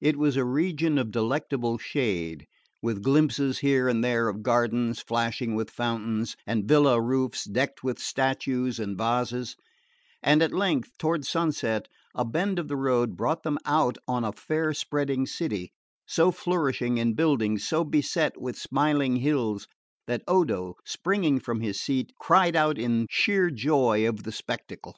It was a region of delectable shade, with glimpses here and there of gardens flashing with fountains and villa roofs decked with statues and vases; and at length, toward sunset, a bend of the road brought them out on a fair spreading city, so flourishing in buildings, so beset with smiling hills, that Odo, springing from his seat, cried out in sheer joy of the spectacle.